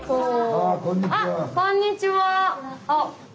あこんにちは！